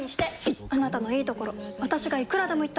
いっあなたのいいところ私がいくらでも言ってあげる！